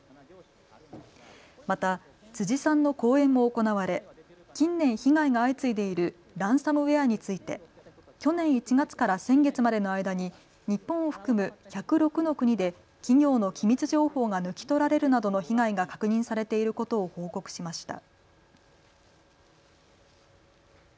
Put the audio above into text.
また辻さんの講演も行われ近年、被害が相次いでいるランサムウェアについて去年１月から先月までの間に日本を含む１０６の国で企業の機密情報が抜き取られるなどの被害が確認されていることを報告しました。